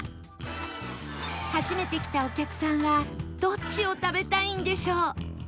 初めて来たお客さんはどっちを食べたいんでしょう？